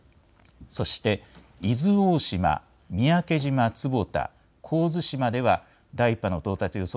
そして伊豆大島、三宅島坪田、神津島では第１波の到達予想